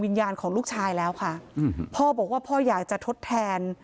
วิญญาณของลูกชายแล้วค่ะอืมพ่อบอกว่าพ่ออยากจะทดแทน